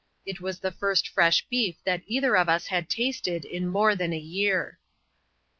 It was the first fresh beef that either of us had tasted in more than a year.